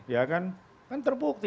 ya kan kan terbukti